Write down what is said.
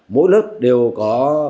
mỗi lớp đều có